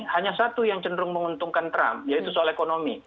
hanya satu yang cenderung menguntungkan trump yaitu soal ekonomi